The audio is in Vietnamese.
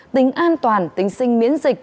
tính an toàn tính sinh miễn dịch